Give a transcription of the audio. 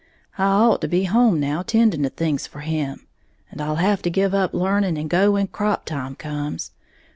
I ought to be home now tending to things for him; and I'll have to give up learning and go when crap time comes.